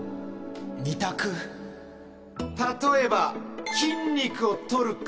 例えば筋肉を取るか？